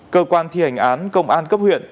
cơ quan thi hành án công an cấp huyện